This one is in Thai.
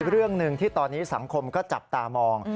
เรื่องหนึ่งที่ตอนนี้สังคมก็จับตามอง